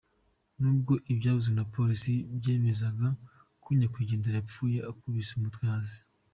N’ubwo ibyavuzwe na Polisi byemezaga ko nyakwigendera yapfuye akubise umutwe hasi.